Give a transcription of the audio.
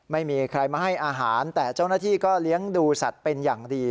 ไม่มีใครมาให้อาหารแต่เจ้าหน้าที่ก็เลี้ยงดูสัตว์เป็นอย่างดี